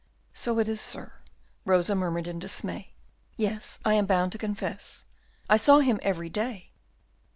"So it is, sir," Rosa murmured in dismay; "yes, I am bound to confess, I saw him every day."